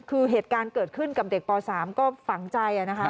คือเหตุการณ์เกิดขึ้นกับเด็กป๓ก็ฝังใจนะคะ